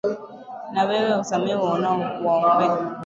Na wewe uwasamehe, uwaombee.